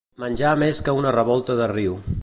Menjar més que una revolta de riu.